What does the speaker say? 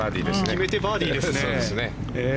決めてバーディーですね。